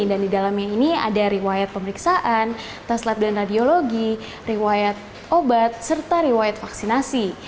dan di dalamnya ini ada riwayat pemeriksaan tas lab dan radiologi riwayat obat serta riwayat vaksinasi